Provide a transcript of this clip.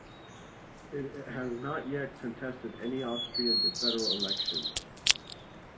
It has not yet contested any Austrian federal election.